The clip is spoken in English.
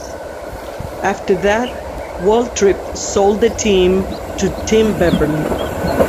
After that, Waltrip sold the team to Tim Beverly.